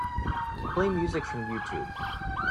Play music from Youtube.